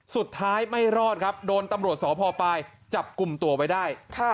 สุดท้ายไม่รอดครับโดนตำรวจสพปลายจับกลุ่มตัวไว้ได้